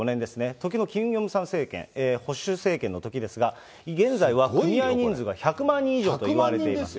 時のキム・ヨンサン政権、保守政権のときですが、現在は組合人数が１００万人以上といわれています。